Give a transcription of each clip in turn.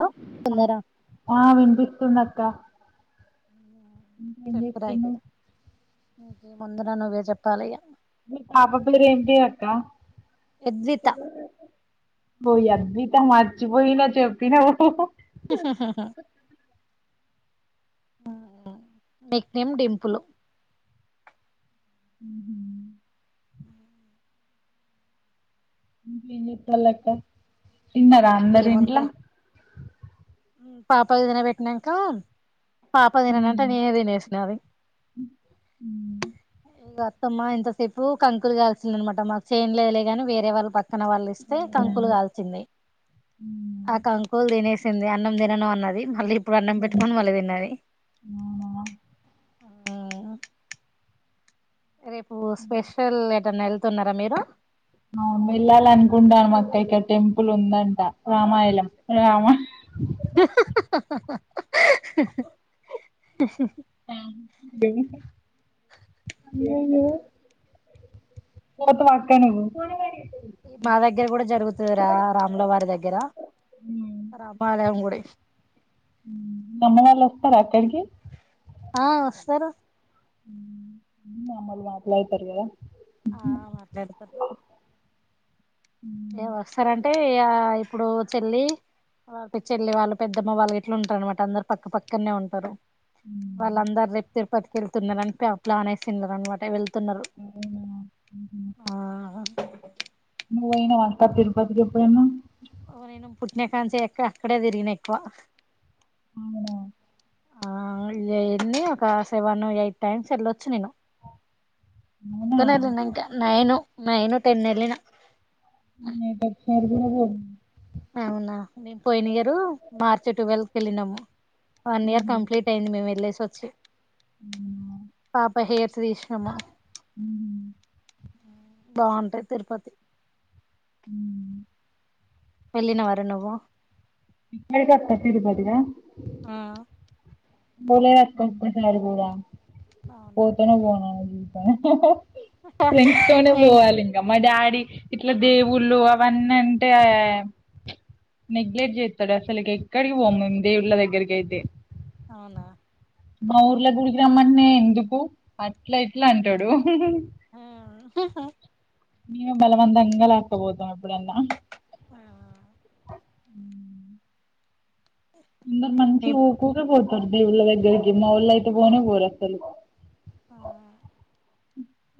తొందర ఆ వినిపిస్తుంది అక్క [unintelligible] నీకే ముందున నువ్వే చెప్పాలి మీ పాప పలరు ఏంటి అక్క ఎద్విత పోరు ఇంకా మర్చిపోయిన చెప్పినవ్ మెక్నిం డింపులు ఆ ఇ చె ఎప్పలక్క ఇన్నారా అందరు ఇంట్లా పాప ఏదిన పెట్టినాక పాప తినన అంటే మ్మ్. నేనే తినేసిన అది మ్మ్. ఇం అమ్మా ఇంతసేపు కంకులు కాల్చింది అన్నమాట మాకు చేను లేదులే కానీ వేరే వాళ్ళు ప పక్కన వాళ్ళు ఇస్తే అవునా కంకులు కాల్చింది మ్మ్. ఆ కంకులు తినేసి ఏందీ అన్నం తినను అన్నది మళ్ళీ ఇప్పుడు అన్నం పెట్టుకొని మళ్ళీ తిన్నది అవునా రేపు స్పెషల్ ఏటన్నాెల్త్ వస్తున్నారా మీరు వెళ్ళాలి అనుకుంటానామ్ అక్క ఇక్కడ టెంపుల్ ఉందంట రామాయణం రామ ఆ ఏ ఏ పోతావా అక్క నువ్వు మా దగ్గర కూడా జరుగుతది రా రాముల వారి దగ్గర మ్మ్. రామాలయం గుడి అమ్మ వాళ్ళు వస్తారా అక్కడికి ఆ వస్తారు అమ్మల్ మాట్లా అవుతారు కదా ఆ మాట్లాడుతారు ఏమ వస్తారంటే ఆ ఇప్పుడు చెల్లి వాళ్కి చెల్లి వాళ్ళు పెద్దమ్మ వాళ్ళ ఇట్లా ఉంటారు అనమాట అందరు పక్క పక్కనే ఉంటారు ఉ వాళ్ళ అందరు రేపుతే పట్టుకెళ్తున్నారు అని ప్ల ప్లానేస్తున్నారు అన్నమాట ఎవల్ తన్నారు అవునా ఆ నువ్ పోయినవా తిరుపతికి ఎప్పుడైనా ఓ నేను పుట్టినా కాంచి అక్కడే తిరిగిన ఎక్కువ అవునా ఆ ఇన్ని ఒక సెవెన్ ఎయిట్ టైమ్స్ వెళ్ళొచ్చు నేను అవునా ఒక్కదాన్నే ఉన్నా ఇంకా నేను నైను టెన్ అల్ నా ఉమ్ ఏంటది. ఫదినా పోల్ అవునా మేము పోయిన ఇయర్ మార్చి టువెల్ కి వెళ్ళినాము. వన్ ఇయర్ కంప్లీట్ అయింది. మేము వెళ్లేసి వచ్ చే అవునా? పాప హెయిర్స్ తీసినము. ఉహు బాగుంటాది తిరుపతి. ఉమ్ వెళ్ళినావా రా నువ్వు. ఎక్కడికి అక్క తిరుపతి కా. ఆహ్ పోలేదక్క ఒక్కసారి కూడా. అవునా పోతనో పోనో మళ్లీ. ఫ్రెండ్స్ తోనే ఏ పోవాలి ఇంకా మా డాడీ. ఇట్లా దేవుళ్ళు అవన్నీ అంటే ఆహ్ ప్చ్ నెగ్లెక్ట్ చేస్తాడు. అసలు ఎక్కడికి పోము మేము దేవుళ్ళ దగ్గరకి అయితే. అవునా. మా ఊర్ల గుడికి రమ్మంటెనే ఎందుకు అట్లా ఇట్లా అంటాడు. ఉమ్ ఆ మేమే బలవంతంగా లాక్కు పోతాము అప్పుడు. ఎప్పుడన్నా. అందరు అయ్యో మేం మంచిగా ఊకూకే కోడుతు సర్ది దేవుళ్ల దగ్గరికి మా వాళ్లైయితే పోనే పోరు అసలు. ఆహ్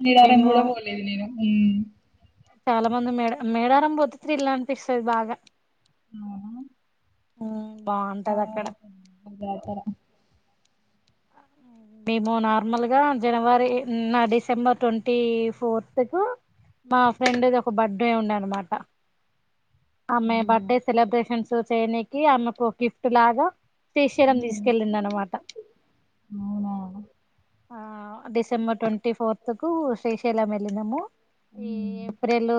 మీరారంగ్ కూడా పోలేదు నేను. ఉమ్ చాలా మంది మేడ మేడారం పోతే త్రిల్ అనిపిస్తది బాగా. అవునా అవును బాగుంటది అక్కడ. ముందే అక్కడ. మేము నార్మల్ గా జనవరి నా డిసెంబర్ ట్వంటీ ఫోర్త్ కు మా ఫ్రెండ్ది ఒక బర్త్డే ఉండే అనమాట. ఆమె అవునా బర్త్డే సెలబ్రేషన్స్. చెయ్యనికి ఆమెకు ఒక గిఫ్ట్ లాగా. శ్రీ శైలం తీసుకెళ్ళింది హ్మ్ అన్నమాట. అవునా ఆహ్ డిసెంబర్ ట్వంటీ ఫోర్త్ కు శ్రీశైలం వెళ్ళినాము. ఈ హ్మ్ ఏప్రిల్ లు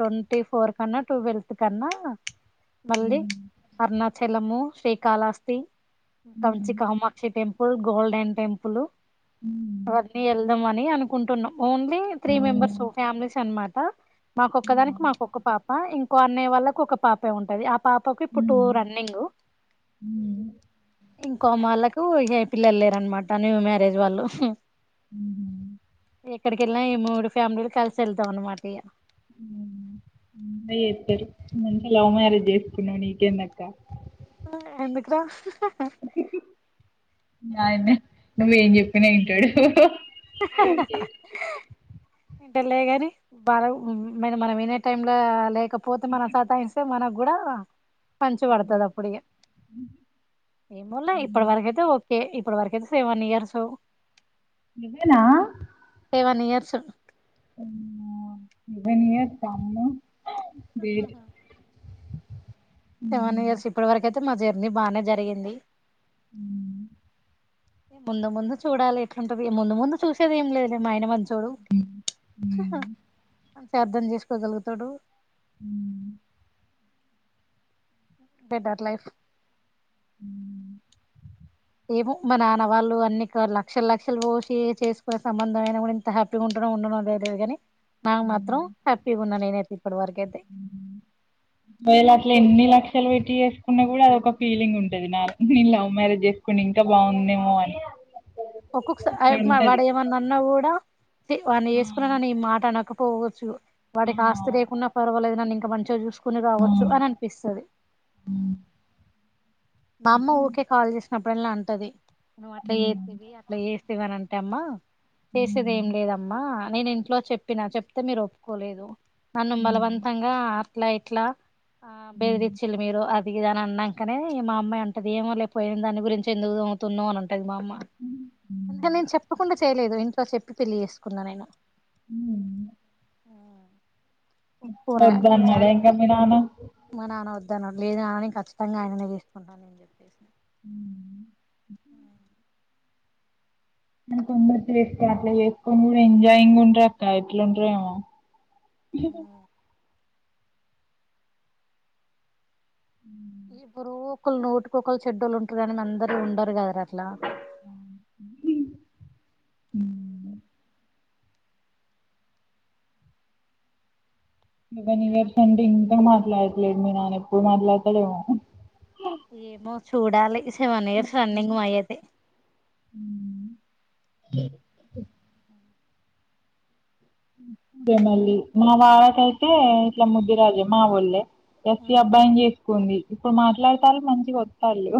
ట్వంటీ ఫోర్ కన్నా టువెల్త్ కన్నా మళ్ళీ హ్మ్ అరుణాచలము శ్రీకాళహస్తి కంచి హ్మ్ Kamakshi temple golden temple హ్మ్ అవ్వని ఎల్దమా అనుకుంటున్నాం ఓన్లీ త్రీ అవునా మెంబర్స్ ఫ్యామిలీస్ అనమాట మాకొక్క ఆ దానికి మాకొక్క పాప ఇంకో అన్నయ్య వాళ్ళకు ఒక పాపే ఉంటది పాపకు ఇప్పుడు టూ హ్మ్ రన్నింగ్ హ్మ్ ఇంకో మళ్ళకు పిల్లలు లేరనమాట న్యూ మ్యారేజ్ వాళ్ళు హుహు ఎక్కడికి వెళ్లినా ఈ మూడు ఫ్యామిలీలు కలిసి వెళ్తాం అనమాట ఇగ అయి చెస్తారుంతే లవ్ మ్యారేజ్ చేసుకున్నావు నీకేందక్క ఎందుకో హాయ్ మే నువ్వు ఏం చెప్పిన ఇంటాడు ఇంటాడు లేగాని బాగా మ మనం వినే టైం లో లేక పోతే మనం సత్తాయిస్తే మన గుడా పంచ్ పడుతది అప్పుడిక ఏమోలే ఇప్పటి హ్మ్. వరకు అయితే ఓకే ప్పుడు వరకైతే సెవెన్ ఇయర్స్ ఇవేనా సెవెన్ ఇయర్స్ వెళ్ళేసాము ఆహహా హుహు. సెవెన్ ఇయర్స్ ఇప్పటి వరకు అయి తే మా జర్నీ బానే జరిగింది మ్మ్ ముందు ముందు చూడాలి ఎట్లుంటదో ముందు ముందు చూసేదేం లేదు మాయైన మంచోడు హ్మ్. అంతే అర్థం చేసుకోగలుగుతాడు మ్మ్ బెటర్ లైఫ్ మ్మ్ ఏమో మా నాన్న వాళ్ళు అన్ని లక్షల లక్షలు పోసి చేసుకునే సంబంధం అయినా కూడా ఇంత హ్యాపీగా ఉంటరో ఉండరో [unintelligible] తెలీదు కాని నాకు మాత్రం హ్యాపీగున్న నేనైతే ఇప్పటి వరకు అయితే ఒకవేళ అట్లా ఎన్ని లక్షలు పెట్టీ చేసుకున్నా కూడా అదొక ఫీలింగ్ ఉంటది నా నేను లవ్ మ్యారేజ్ చేసుకున్న ఇంకా బాగుండు ఏమో అని ఒక్కొక్కస అట్లుంటది. వాడు ఏమన్నా అన్నా కూడా చి వన్నీ ఆ! చేసుకున్నా గాని ఈ మాట అనక పోవచ్చు ఆ! వాడికి ఆస్తి లేకున్న పర్వాలేదు గని అక్కడ మంచచూసుకును కావచ్చు హ్మ్. అని అనిపిస్తది హ్మ్. మా అమ్మ ఊకే కాల్ చేసినప్ ప్పుడల్లా అంటది నువ్ అట్లా హ్మ్. చేస్థివి అట్లా చేస్థివి అని టమ్మా చేసేది ఏం ఉమ్, లేదమ్మా నేను ఇంట్లో చెప్ చెప్పిన చెప్తే మీరు ఒప్పుకోలేదు నన్ను ఉమ్, బలవంతంగా అట్ల ఇట్ ట్లా ఆ ఉమ్, బేరదిచ్చిల్ మీరు అది ఇదని అన్నాంకనే ఏ మా అమ్మా ఇగ అంటదిద ఏమో లేక పోయిన దాని గురించి ఎందుకు తోముతున్నావు అం టది మా అమ్మ అంటే ఉమ్, నేను చెప్పకుండా చేయలేదు ఇంట్లో చెప్పి పెళ్లి చేేసు సుకున్న నేను హ [unintelligible] ఒప్పుకోను వద్దు మన అన్నాడ ఇంగ మీ నాన్న మా నాన్న వద్దన్నాడు లేదు నాన్న నేను ఖచ్చితంగా ఆయననే తీసుకుంటా అని నేను చెప్పేసి హ [unintelligible] ఆ మ కొందరు చేసుకో అట్లా చేసుకొని కూడా ఎంజాయింగ్ ఉంటరు అక్క ఎట్ల ఉంటారో ఏమో అ [unintelligible] ఇవరో ఒకరు నూటికొకళ్ళు చెడ్డోళ్లు ఉంటారు కానీ అందరు ఉండరు కదరా అట్లా [unintelligible] సెవెన్ ఉంటారా ఇయర్స్ నుండి ఇంకా మాటల్ లైఫ్ ల మీ నాన ఎప్పుడు మాట్లాడతడోఎమో ఏమో చూడ్ డాలి సెవెన్ ఇయర్స్ రన్నింగ్ మాయైతే లే [unintelligible] అదే మళ్ళీ మా వాడాకైతే ఇట్లా ముదీర్రాజే మా ఒళ్ళే ఎస్సి అబ్బాయిని చేసుకుంది ఇప్పుడు మాట్లాడతాళ్ళు మంచిగా వోత్తళ్ళు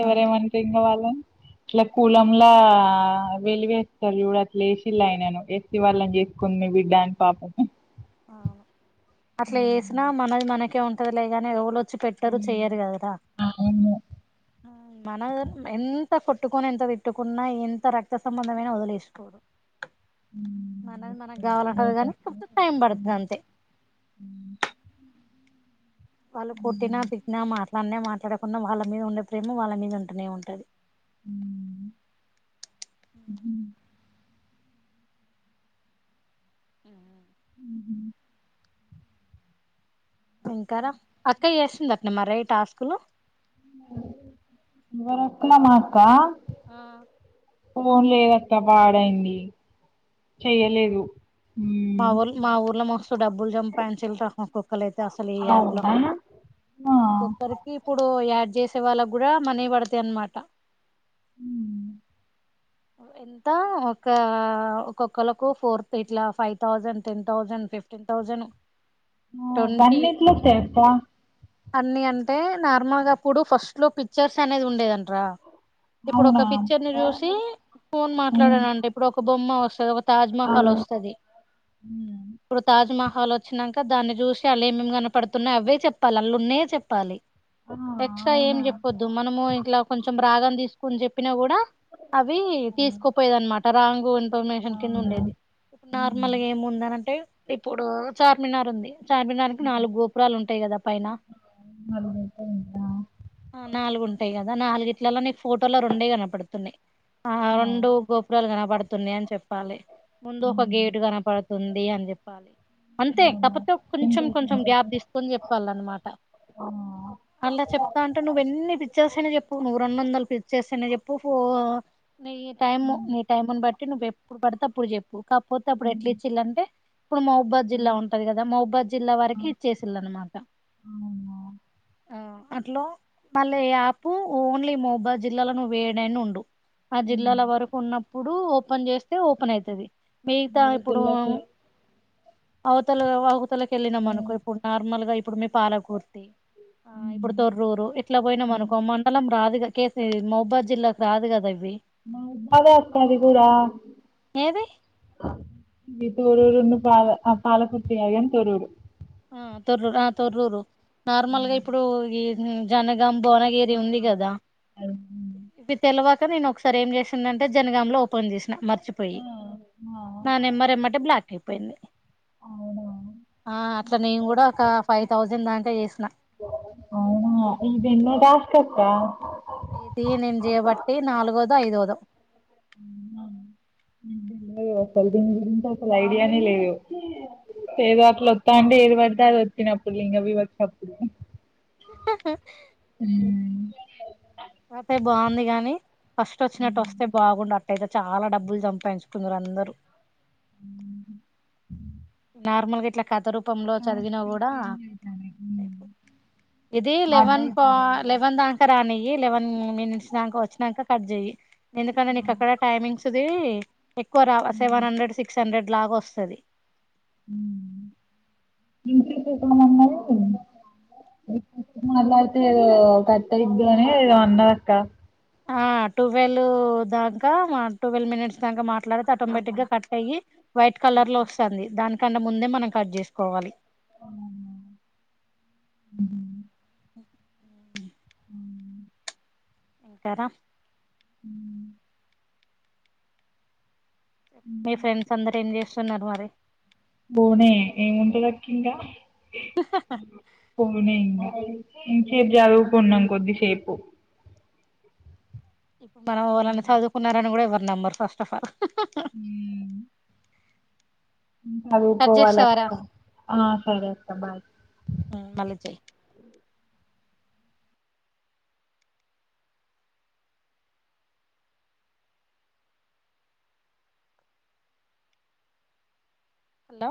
ఎవరేమంరింగ వాళ్ళను ఇట్లా అవును కులంలా వెలి వేస్తారు చుడు అట్ల వేసిళ్ళు ఆయినను ఎస్సి వాళ్ళన్ ఎస్ కున్న వి డ్డ న్ పాపం అవును అట్లా వేసినా మనది మనకే ఉం సర్లే గాని ఎవ్వోల్ చ్చి పెట్టరు చెయరు కదరా అవును మన వొళ్ళు ఎం త కొట్టుకొని ఎంత తిట్టుకున్నా ఎంత రక్త సంబంధం అయినా వదిలేసి పోడు మనది మనకు కావాలంటది కానీ కొంచెం టైం పడతది అంతే వాళ్ళు కొట్టిన తిట్టిన మాట్లాడినే మాట్ ట్లడకున్నా వాళ్ళ మీద ఉండే ప్రేమ వాళ్ళ మీద ఉంటూనే ఉంటది. ఉ ఉ హ్ హు ఇంకారా అక్కయ్యా చేస్తుంది. అట్న మరీ టాస్కులు ఏవరక్క మా అక్క ఆ ఫోన్ లేదత్తా పాడైంది అలా చెయ్యలేదు ఉన్నాయి. మా మ్మ్. ఊర్ల మా ఊర్ల మస్తు డబ్బులు సంపాయించిండ్ర క్కలైతే అసలు ఈ యాప్ లో అవునా ఆ ఒక్కొక్కరికి ఇప్పుడు యా చేసే వాళ్ళకి కూడా మనే వి పడతాయి అన్నమాట హ్ ఓ ఎంత ఒక ఒక్కొక్కలకు ఫోర్త్ ఇట్లా five thousand ten thousand fifteen thousand ఆ గన్ని ఏట్ల వస్తాయి అక్క అన్ని అంటే నార్మల్ గా ఆప్పుడు ఫస్ట్ లో పిక్చర్స్ అనేది ఉం డెడంటరా ఇప్పుడు ఒక అవునా పిక్చర్ ని చూసి ఫోన్ మ్మ్. మాట్లాడంటా ఇప్పుడు ఒక బొమ్మ వస్తది ఒక తాజ్మహల్ ఆ. వస్తది హ్మ్. ఇప్పుడు తాజ్మహల్ ఆల్ వచ్చినాక దాన్ని చూసి వాళ్ళ ఏమేమి కనపడుతున్నాయి. అవే చెప్పాలి అళ్ల ఉన్నాయే చెప్పాలి. ఆ! ఎక్స్ట్రా ఏం అవునా! చెప్పొద్దు మనము ఇంట్లా కొంచెం భాగం తీసుకుని చెప్పినా కూడా ఆ! వున్ కోనేషన్ కింద అవునా! ఉండేది ఇప్పుడు హ్మ్. నార్మల్గా ఏముందని అంటే ఇప్పుడు చార్మినార్ ఉంది చార్మినార్కి హ్మ్. నాలుగు గోపురాలు ఉంటాయి కదా పైన ఆ! అది నిజమే. ఆ నాలుగు ఉంటాయి కదా ఆ నాలుగిట్లలో నీకు ఫోటోలో రెండే కనపడుతున్నాయి ఆ రెండు గోపురాలు కనపడుతున్నయని చెప్పాలి ముందు ఒక హ్మ్. గేటు కనపడు తుంది అని చెప్పాలి అంతే అవునా! కాకపోతే కొంచెం పింపుల్స్ కొంచెం అని చెప్పి. గ్యాప్ తీసుకొ ని చెప్పాల అనమాట ఆ! అలా చెప్తా అంటే నువ్వ ఎన్ని పిచ్చేసేనే చెప్పు నువ్వు రెండు వందలు పిచ్చేసేనే చెప్పు పహ [unintelligible] నీ టైమ్ హ్మ్. నీ టైమ్ని బట్టి నువ్వెప్పుడు పడితే అప్పుడు చెప్పు కాకపోతే అప్పుడు హ్మ్. ఎట్లా ఇచ్చిరంటె ఇప్పుడు మహబూబ్బాద్ జిల్లా హ్మ్. ఉంటది కదా మహబూబాద్ జిల్లా ఆ! వరకి ఇచ్చేసిలు అనమాట అవునా! ఆ అట్లో మళ్ళీ ఇయాప్ మహబూబాద్ జిల్లాలో నువ్వు ఏడైనా ఉండు ఆ హ్మ్. జిల్లాల వరకు ఉన్నప్పుడు ఓపెన్ చేస్తే ఓపెన్ ఐతది మియిగతా వేరే ఇప్పుడు జిల్లాకి ఉ అవుతల [unintelligible] తవ్వు ఎనకాలకు ఎలినం అనుకో హ్మ్. ఇప్పుడు నార్మల్ గా ఇప్పుడు మీ పాలకూర్తి ఆ ఇప్పుడు హ్మ్. తొర్రూరు ఎట్లా పోయినాం అనుకో హ్మ్. మండలం రాదుగా కేసి మహబాద్ జిల్లాకి రాదు కదా అవి మా [inaudible] బగా అక్కది కూడాడా ఏది ఇతే బాగా అ పాలకుర్తి అయ్యం తొరూరు ఆ తొర్రూరు ఆ తొర్రూరు నార్మల్గా హ్మ్. ఇప్పుడు ఈ మ్ జన భువనగిరి ఉంది అవునా! కదా అది హ్మ్. ఇ తెలవా నేను ఒకసారి ఏం చేసిందంటే జనగాంలో ఫోన్ చేసిన ఆ మర్చిపోయి ఆ నా నెమ్బర్ ఎమ్మటే బ్లాక్ అయిపోంది అవునా ఆ నేను కూడా ఒక ఫైవ్ థౌజండ్ దాకా చేసిన కుక్క [unintelligible] ఇది నెను జయబట్టి నాలుగోదొ ఐదోదో అమ్మ [unintelligible] పడిడింత అసలు ఐడియానే లేదు ఏదో అట్లు ఒస్త అంటే ఏది పడితే అది ఒత్తిన అప్పుడు లింగ వివక్ష అప్పుడు ఆ హా మ్ అయితే బాగుంది గాని ఫస్ట్ వచ్చినట్టు వస్తే బాగుండు అ తేజ చాలా డబ్బులు సంపాచుకుందురు అందరు ఉహు నార్మల్ గా ఇట్ల కథ రుప రూపంలో చదివినా టాస్కులు కూడా చేంజ్ అయితానయి ఇది లెవెన్ పా అర్థయితానయి లెవెన్ దాక రానియి లెవెన్ మే నిడిషినంక వచ్చినాక కట్ చేయి ఎందుకంటే నీకక్కడ టైమింగ్స్ది ఎక్కువ రావ సెవెన్ హండ్రెడ్ సిస్ హండ్రెడ్ లాగొస్తది ఇంకేం చేస్తామని అన్నారు మాట్లాడితే ఏదో కట్టయిది అని ఏదో అన్నరక్క ఆ ట్వెల్వ్ దాకా మా ట్వెల్వ్ మినిట్స్ దాకా మాట్ల అట్లా ఐతే ఆటోమేటిక్గ కట్టయ్యి వైట్ కలర్ లో వస్తంది దాని కంటె ముందే మనం కట్ చేసుకోవాలి ఆ ఉహు ఇంకారా ఉ మీ ఫ్రెండ్స్ అందరు ఏం చేస్ ఉన్నారు మరి బోనే ఏముంటి గట్లుంట పోనీంగా ఇం సేపు చదువుకున్నాం కొద్దిసేపు ఇప్పుడు మనం ఓవలన్న చదువుకున్నారని కూడా ఎవ నంబర్ ఫస్ట్ ఆఫ్ ఆల్ నేను కట్ చేస్తావారా చదుకోవలక్క ఆ సరే అక్క బాయ్ ఉ మళ్ళిజయి హలో